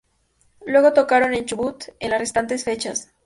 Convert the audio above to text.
Luego tocaron en Chubut en las restantes fechas.